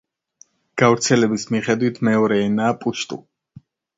გავრცელების მიხედვით მეორე ენაა პუშტუ.